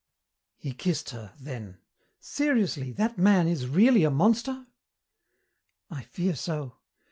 He kissed her, then, "Seriously, that man is really a monster?" "I fear so.